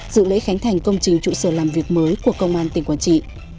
dự lễ khánh thành công trình trụ sở làm việc mới của công an tỉnh quảng trị